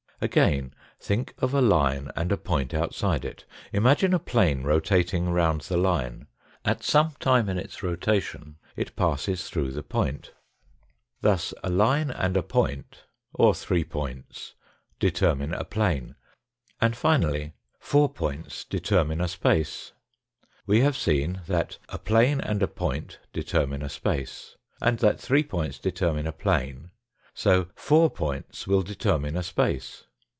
Again, think of a line and a point outside it. Imagine a plane rotating round the line. At some time in its rotation it passes through the point. Thus a line and a 13 194 THE FOURTH DIMENSION point, or three points, determine a plane* And finally four points determine a space. We have seen that a plane and a point determine a space, and that three points determine a plane ; so four points will determine a space.